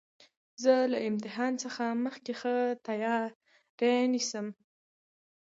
زه له امتحان څخه مخکي ښه تیاری نیسم.